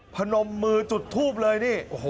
พนมมือจุดทูบเลยนี่